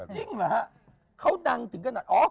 จริงเหรอเขาดังถึงกระหนัก